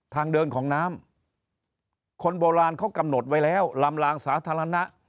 ทางเดินของน้ำคนโบราณเขากำหนดไว้แล้วลำลางสาธารณะ